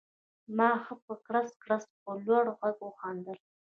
ما ښه په کړس کړس په لوړ غږ وخندل